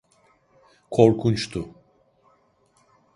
Korkunçtu.